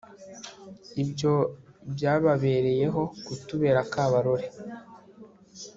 Ibyo byababereyeho kutubera akabarore